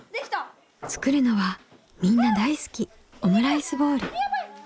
作るのはみんな大好きオムライスボール。